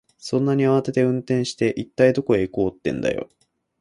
そんなに慌てて運転して、一体どこへ行こうってんだよ。